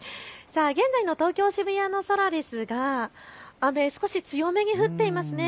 現在の東京渋谷の空ですが雨、少し強めに降っていますね。